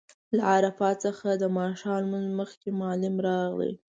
له عرفات څخه د ماښام لمونځ مخکې معلم راغی.